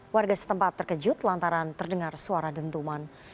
warga setempat terkejut lantaran terdengar suara dentuman